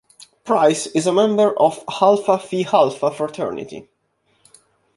Price is a member of Alpha Phi Alpha fraternity.